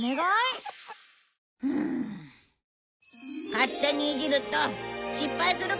勝手にいじると失敗するからね。